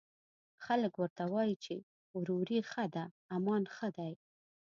خلک ورته وايي، چې وروري ښه ده، امان ښه دی